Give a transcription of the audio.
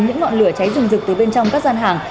những ngọn lửa cháy rừng rực từ bên trong các gian hàng